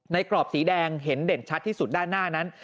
กรอบสีแดงเห็นเด่นชัดที่สุดด้านหน้านั้น